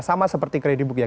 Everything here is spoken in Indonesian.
sama seperti kredibook ya